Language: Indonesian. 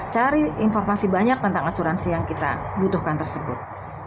cari informasi banyak tentang asuransi yang kita butuhkan tersebut